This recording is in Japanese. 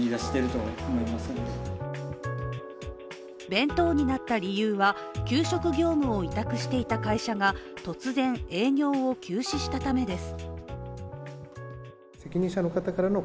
弁当になった理由は給食業務を委託していた会社が突然、営業を休止したためです。